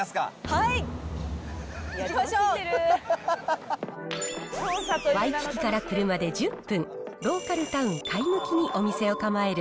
はい、ワイキキから車で１０分、ローカルタウン、カイムキにお店を構える、